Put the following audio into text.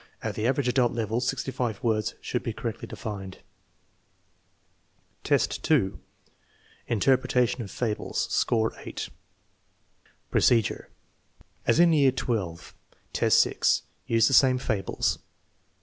1 At the average adult level sixty five words should be cor rectly defined. Average adult, 2 : interpretation of fables (score 8) Procedure. As in year XII, test 6. Use the same fables.